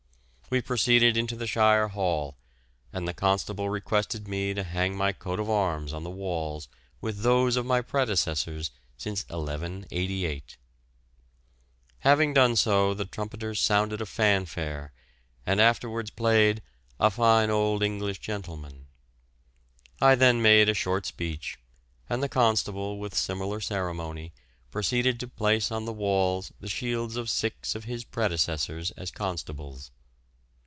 We proceeded into the Shire Hall, and the Constable requested me to hang my coat of arms on the walls with those of my predecessors since 1188. Having done so the trumpeters sounded a fanfare, and afterwards played "A fine old English gentleman." I then made a short speech, and the Constable, with similar ceremony, proceeded to place on the walls the shields of six of his predecessors as Constables.